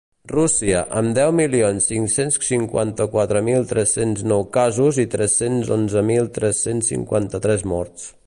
Rússia, amb deu milions cinc-cents cinquanta-quatre mil tres-cents nou casos i tres-cents onze mil tres-cents cinquanta-tres morts.